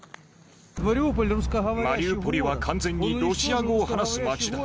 マリウポリは完全にロシア語を話す町だ。